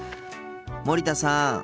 森田さん。